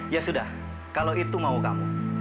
ya sudah kalau itu mau kamu